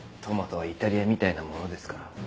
トマトはイタリアみたいなものですから。